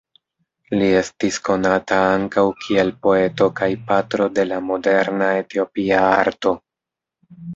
Li estis konata ankaŭ kiel poeto kaj patro de la moderna Etiopia arto.